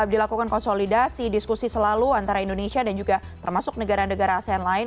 dilakukan konsolidasi diskusi selalu antara indonesia dan juga termasuk negara negara asean lain